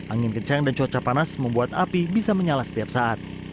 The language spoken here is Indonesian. angin kencang dan cuaca panas membuat api bisa menyala setiap saat